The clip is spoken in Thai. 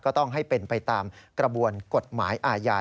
ต้องให้เป็นไปตามกระบวนกฎหมายอาญา